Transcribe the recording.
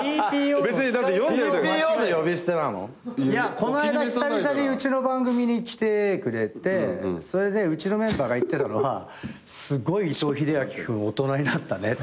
こないだ久々にうちの番組に来てくれてそれでうちのメンバーが言ってたのは「すごい伊藤英明君大人になったね」